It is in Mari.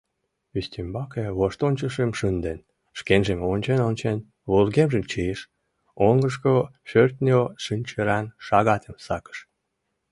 Ӱстембаке воштончышым шынден, шкенжым ончен-ончен, вургемжым чийыш, оҥышко шӧртньӧ шинчыран шагатым сакыш.